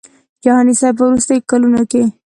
جهاني صاحب په وروستیو کلونو کې.